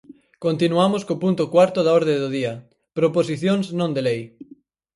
Continuamos co punto cuarto da orde do día, proposicións non de lei.